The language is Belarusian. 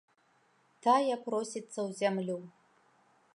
Тая просіцца ў зямлю.